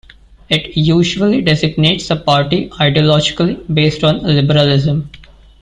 It usually designates a party ideologically based on liberalism.